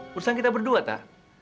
perusahaan kita berdua tak